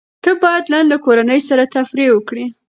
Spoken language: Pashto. ته بايد نن له کورنۍ سره تفريح وکړې.